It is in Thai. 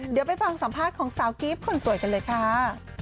เดี๋ยวไปฟังสัมภาษณ์ของสาวกิฟต์คนสวยกันเลยค่ะ